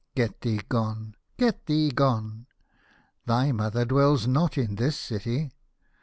Get thee gone. Get thee gone. Thy mother dwells not in this city."